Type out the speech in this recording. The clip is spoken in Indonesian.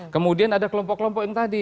kemudian ada kelompok kelompok yang tadi